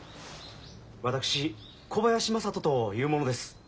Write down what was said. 私小林雅人という者です。